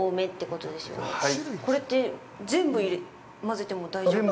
これって、全部混ぜても大丈夫なんですか？